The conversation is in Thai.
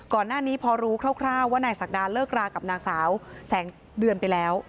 ก่อนหน้านี้พอรู้คร่าวว่านายศักดาเลิกรากับนางสาวแสงเดือนไปแล้ว